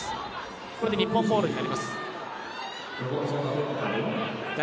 これで日本ボールになります。